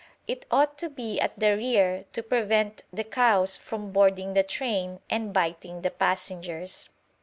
It ought to be at the rear to prevent the cows from boarding the train and biting the passengers."